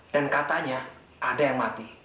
dan katanya ada yang mati